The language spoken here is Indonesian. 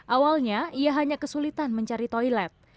awalnya ia hanya kesulitan mencari toilet